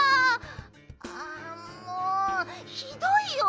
あもうひどいよ！